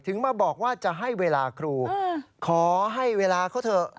มาบอกว่าจะให้เวลาครูขอให้เวลาเขาเถอะ